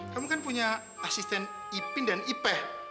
kamu kan punya asisten ipin dan ipeh